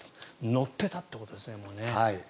乗ってたということですね。